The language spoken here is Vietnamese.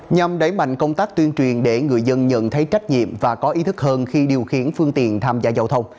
nhằm đẩy mạnh công tác tuyên truyền để người dân nhận thấy trách nhiệm và có ý thức hơn khi điều khiển phương tiện tham gia giao thông